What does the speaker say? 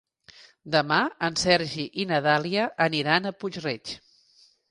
Demà en Sergi i na Dàlia aniran a Puig-reig.